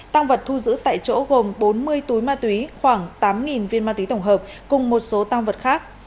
tăng vật thu giữ tại chỗ gồm bốn mươi túi ma túy khoảng tám viên ma túy tổng hợp cùng một số tăng vật khác